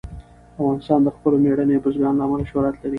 افغانستان د خپلو مېړنیو بزګانو له امله شهرت لري.